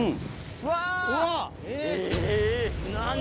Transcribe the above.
うわ！